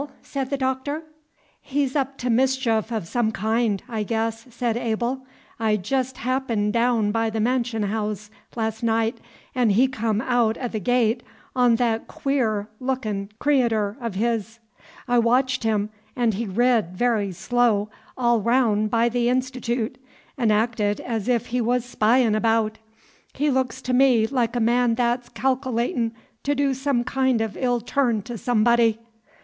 said the Doctor. "He's up to mischief o' some kind, I guess," said Abel. "I jest happened daown by the mansion haouse last night, 'n' he come aout o' the gate on that queer lookin' creator' o' his. I watched him, 'n' he rid, very slow, all raoun' by the Institoot, 'n' acted as ef he was spyin' abaout. He looks to me like a man that's calc'latin' to do some kind of ill turn to somebody.